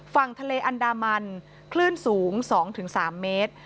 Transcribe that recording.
ฝั่งทะเลอันดามันคลื่นสูง๒๓เมตร